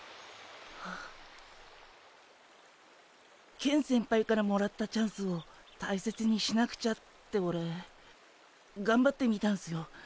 ケン先輩からもらったチャンスを大切にしなくちゃってオレがんばってみたんすよ。